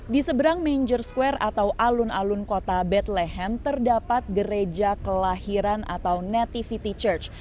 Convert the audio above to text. di seberang manger square atau alun alun kota betlehem terdapat gereja kelahiran atau nativity church